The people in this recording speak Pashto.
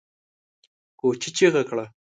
کوچي چيغه کړه!